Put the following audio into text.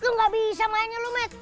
lu gabisa maennya lu met